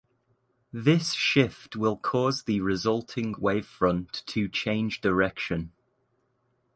This shift will cause the resulting wavefront to change direction.